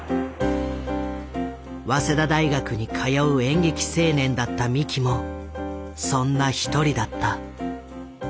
早稲田大学に通う演劇青年だった三木もそんな一人だった。